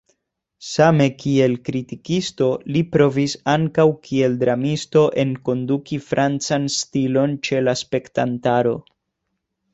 Same kiel kritikisto li provis ankaŭ kiel dramisto enkonduki francan stilon ĉe la spektantaro.